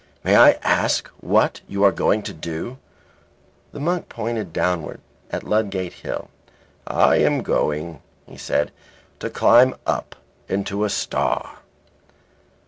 "May I ask what you are going to do?" The monk pointed downward at Ludgate Hill. "I am going," he said, "to climb up into a star."